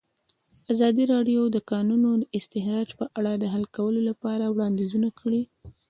ازادي راډیو د د کانونو استخراج په اړه د حل کولو لپاره وړاندیزونه کړي.